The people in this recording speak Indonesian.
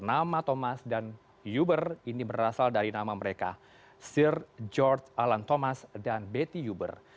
nama thomas dan yuber ini berasal dari nama mereka sir george alan thomas dan betty uber